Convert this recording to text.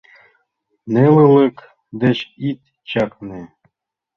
Нелылык деч ит чакне.